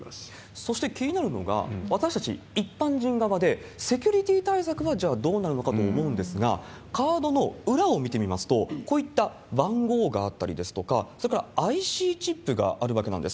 そして気になるのが、私たち一般人側で、セキュリティー対策はじゃあ、どうなるのかと思うんですが、カードの裏を見てみますと、こういった番号があったりですとか、それからＩＣチップがあるわけなんです。